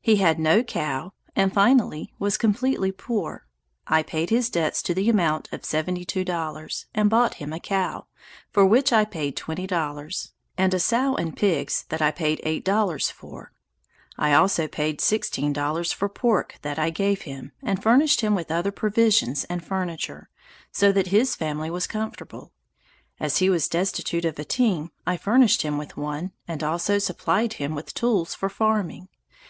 He had no cow, and finally, was completely poor, I paid his debts to the amount of seventy two dollars, and bought him a cow, for which I paid twenty dollars, and a sow and pigs, that I paid eight dollars for. I also paid sixteen dollars for pork that I gave him, and furnished him with other provisions and furniture; so that his family was comfortable. As he was destitute of a team, I furnished him with one, and also supplied him with tools for farming.